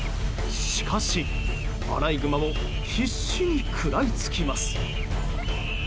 しかし、アライグマも必死に食らいつきます。